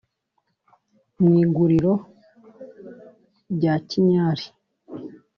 Mu iguriro rya Kinyari